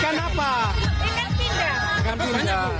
kita masih ada tangkapan untuk peserta terheboh